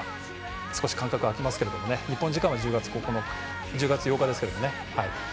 少し間隔空きますけど日本時間は１０月８日ですけれど。